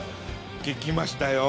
聞きましたよ